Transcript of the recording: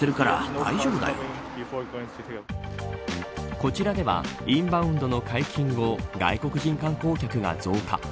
こちらではインバウンドの解禁を外国人観光客が増加。